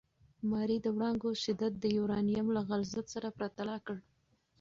ماري د وړانګو شدت د یورانیم له غلظت سره پرتله کړ.